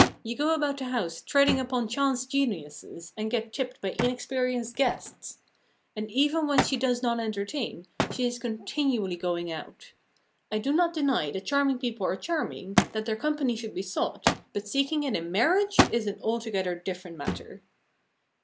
You go about the house treading upon chance geniuses, and get tipped by inexperienced guests. And even when she does not entertain, she is continually going out. I do not deny that charming people are charming, that their company should be sought, but seeking it in marriage is an altogether different matter.